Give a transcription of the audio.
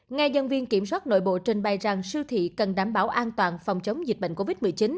ngay nhân viên kiểm soát nội bộ trình bày rằng siêu thị cần đảm bảo an toàn phòng chống dịch bệnh covid một mươi chín